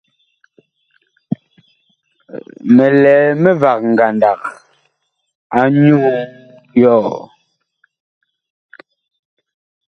Mi lɛ mivag ngandag anyuu yɔɔ.